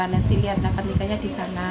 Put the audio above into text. nanti lihat akad nikahnya di sana